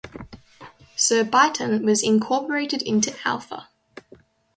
Surbiton was incorporated into Alpha.